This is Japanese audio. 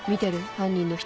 犯人の人